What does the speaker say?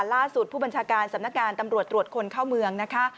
ล่าสุดผู้บัญชาการสำนักงานตำรวจตรวจคนเข้าเมืองนะคะ